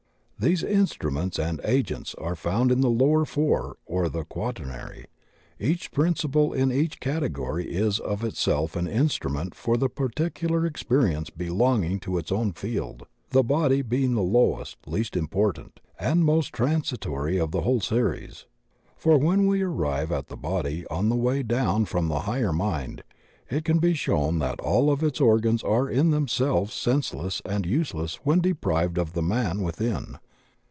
These instruments and agents are found in the lower Four — or the Quaternary — each principle in which category is of itself an instrument for Ae particular experience belonging to its own field, the body being the lowest, least important, and most tran sitory of the whole series. For when we arrive at the body on the way down from the Higher Mind, it can be shown that aU of its organs are in themselves sense less and useless when deprived of the man within.